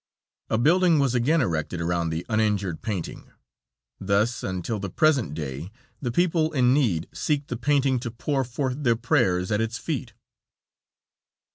A building was again erected around the uninjured painting. Thus, until the present day, the people in need seek the painting to pour forth their prayers at its feet.